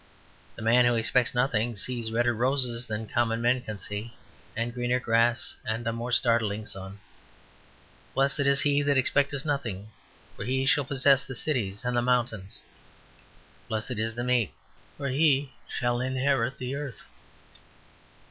The man who expects nothing sees redder roses than common men can see, and greener grass, and a more startling sun. Blessed is he that expecteth nothing, for he shall possess the cities and the mountains; blessed is the meek, for he shall inherit the earth.